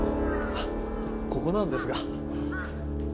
ここなんですが。